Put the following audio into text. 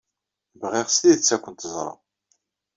Bɣiɣ s tidet ad kent-ẓreɣ.